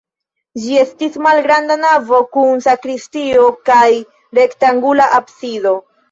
Ĝi estis malgranda navo kun sakristio kaj rektangula absido.